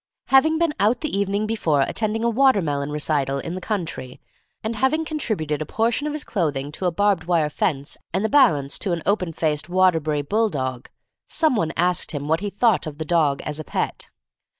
Having been out the evening before attending a watermelon recital in the country, and having contributed a portion of his clothing to a barbed wire fence and the balance to an open faced Waterbury bull dog, some one asked him what he thought of the dog as a pet.